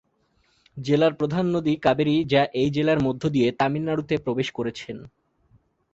জেলার প্রধান নদী কাবেরী যা এই জেলার মধ্য দিয়েই তামিলনাড়ুতে প্রবেশ করেছেন।